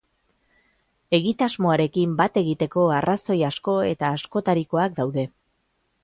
Egitasmoarekin bat egiteko arrazoi asko eta askotarikoak daude.